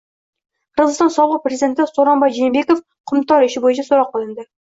Qirg‘iziston sobiq prezidenti So‘ronboy Jeenbekov “Qumtor” ishi bo‘yicha so‘roq qilindi